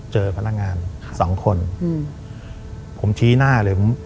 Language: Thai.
เจอพนักงานสองคนอืมผมชี้หน้าเลยผม